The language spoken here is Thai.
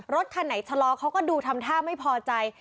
รถคันไหนชะลอเขาก็ดูทำท่าไม่พอใจ